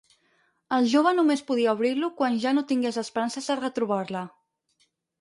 El jove només podria obrir-lo quan ja no tingués esperances de retrobar-la.